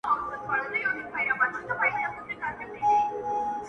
o راوړي دي و یار ته یار لېمه شراب شراب,